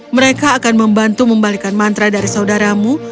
mereka akan membantu membalikan mantra dari saudaramu